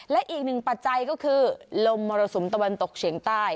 และอีกหนึ่งปัจจัยก็คือลมมรสุมตะวันตกเฉียงใต้